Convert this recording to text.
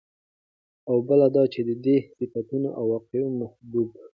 او بله دا چې د دې صفتونو او واقعي محبوبې